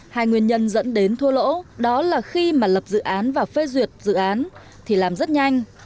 hai nguyên nhân dẫn đến thua lỗ đó là khi mà lập dự án và phê duyệt dự án thì làm rất nhanh